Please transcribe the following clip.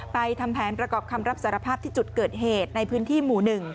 ทำแผนประกอบคำรับสารภาพที่จุดเกิดเหตุในพื้นที่หมู่๑